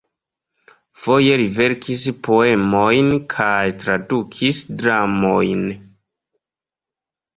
Foje li verkis poemojn kaj tradukis dramojn.